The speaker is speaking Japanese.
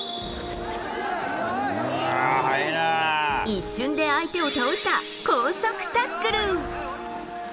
一瞬で相手を倒した、高速タックル。